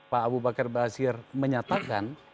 pak abu bakar basir menyatakan